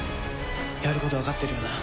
やる事はわかってるよな？